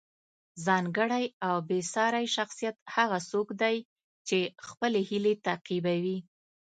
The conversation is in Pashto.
ځانګړی او بې ساری شخصیت هغه څوک دی چې خپلې هیلې تعقیبوي.